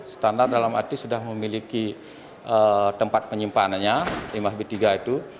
standar dalam arti sudah memiliki tempat penyimpanannya limbah b tiga itu